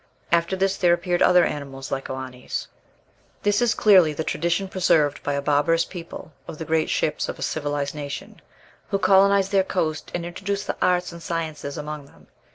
After this there appeared other animals like Oannes." This is clearly the tradition preserved by a barbarous people of the great ships of a civilized nation, who colonized their coast and introduced the arts and sciences among them.